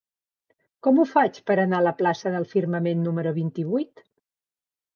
Com ho faig per anar a la plaça del Firmament número vint-i-vuit?